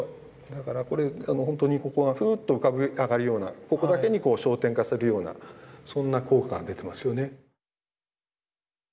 だからこれあのほんとにここがふっと浮かび上がるようなここだけに焦点化するようなそんな効果が出てますよね。